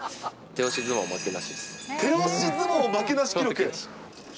手押し相撲負けなし記録。